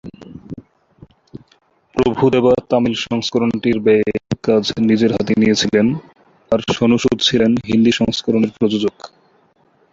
প্রভু দেবা তামিল সংস্করণটির ব্যয়ের কাজ নিজের হাতেই নিয়েছিলেন আর সোনু সুদ ছিলেন হিন্দি সংস্করণের প্রযোজক।